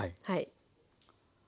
はい。